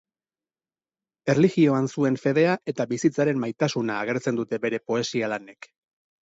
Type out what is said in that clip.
Erlijioan zuen fedea eta bizitzaren maitasuna agertzen dute bere poesia-lanek.